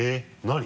何？